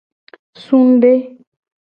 Sude.